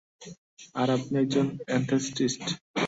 আর আপনি একজন অ্যানাস্থেটিস্ট?